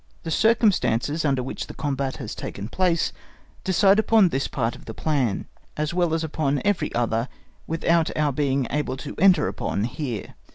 The circumstances under which the combat has taken place decide upon this part of the plan as well as upon every other, without our being able to enter thereupon here.